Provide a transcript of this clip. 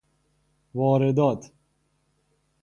واردات